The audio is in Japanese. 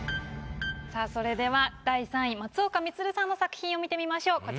それでは第３位松岡充さんの作品を見てみましょう。